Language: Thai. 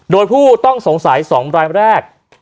โดยผู้ต้องสงสัย๒รายแรก